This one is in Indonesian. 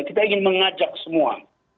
kita ingin mengajak semua